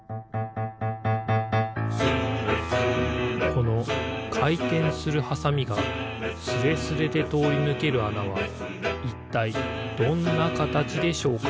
このかいてんするハサミがスレスレでとおりぬけるあなはいったいどんなかたちでしょうか？